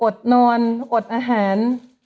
นอนอดอาหาร